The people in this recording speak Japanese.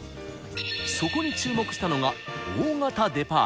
そこに注目したのが大型デパート。